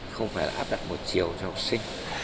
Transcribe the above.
không phải áp đặt một chiều cho học sinh